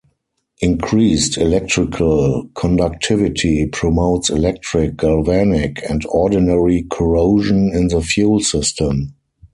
Increased electrical conductivity promotes electric, galvanic, and ordinary corrosion in the fuel system.